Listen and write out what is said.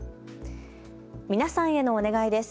皆さんへのお願いです。